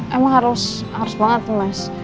emang harus harus banget tuh mas